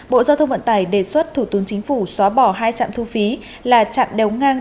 bộ giao thông vận tải đề xuất thủ tướng chính phủ xóa bỏ hai trạm thu phí là trạm đống ngang